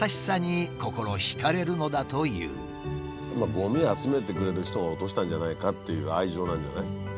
ゴミ集めてくれる人が落としたんじゃないかっていう愛情なんじゃない？